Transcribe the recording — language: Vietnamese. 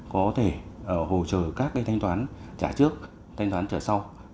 có thể hỗ trợ các cái thanh toán trả trước thanh toán trả sau